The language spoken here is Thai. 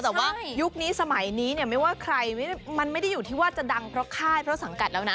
แต่ว่ายุคนี้สมัยนี้เนี่ยไม่ว่าใครมันไม่ได้อยู่ที่ว่าจะดังเพราะค่ายเพราะสังกัดแล้วนะ